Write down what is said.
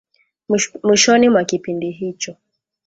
mwishoni mwa kipindi hicho